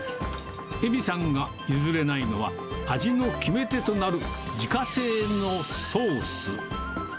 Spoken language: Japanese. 恵美さんが譲れないのは、味の決め手となる自家製のソース。